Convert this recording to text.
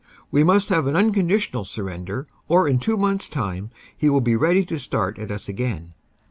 "We must have an unconditional surrender, or in two months time he will be ready to start at us again."